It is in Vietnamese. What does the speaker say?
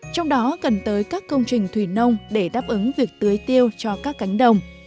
trong đó cần tới các công trình thủy nông để đáp ứng việc tưới tiêu cho các cánh đồng